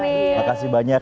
makasih banyak makasih banyak